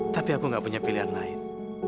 tapi aku gak punya pilihan lain